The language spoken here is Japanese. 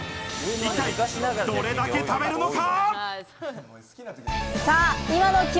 一体どれだけ食べるのか？